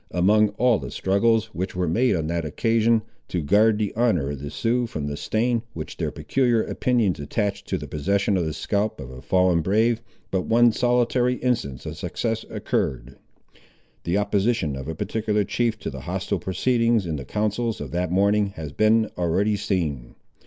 Among all the struggles, which were made on that occasion, to guard the honour of the Siouxes from the stain which their peculiar opinions attached to the possession of the scalp of a fallen brave, but one solitary instance of success occurred. The opposition of a particular chief to the hostile proceedings in the councils of that morning has been already seen.